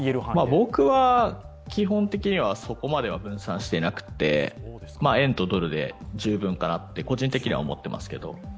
僕は基本的にはそこまでは分散していなくて円とドルで十分かなって個人的には思ってますけど。